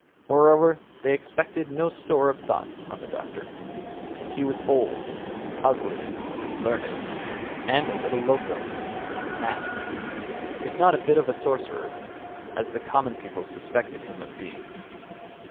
Moreover, they expended no store of thought on the doctor. He was old, ugly, learned and a little "loco" mad, if not a bit of a sorcerer, as the common people suspected him of being.